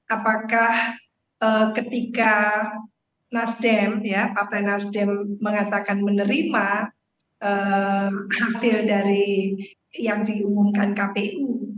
apakah ketika nasdem ya partai nasdem mengatakan menerima hasil dari yang diumumkan kpu